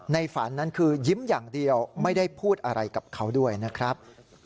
ฝันนั้นคือยิ้มอย่างเดียวไม่ได้พูดอะไรกับเขาด้วยนะครับ